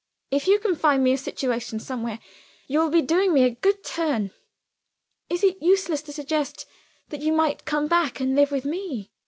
If you can find me a situation somewhere, you will be doing me a good turn." "Is it useless to suggest that you might come back, and live with me?"